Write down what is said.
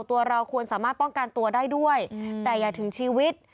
ตัวเราควรสามารถป้องกันตัวได้ด้วยแต่อย่าถึงชีวิต